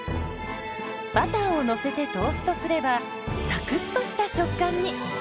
バターをのせてトーストすればサクッとした食感に！